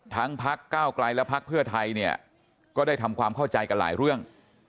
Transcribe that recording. พักก้าวไกลและพักเพื่อไทยเนี่ยก็ได้ทำความเข้าใจกันหลายเรื่อง